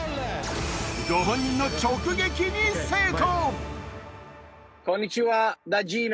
ご本人の直撃に成功。